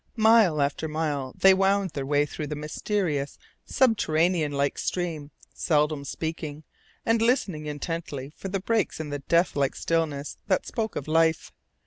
Mile after mile they wound their way through the mysterious, subterranean like stream, speaking seldom, and listening intently for the breaks in the deathlike stillness that spoke of life.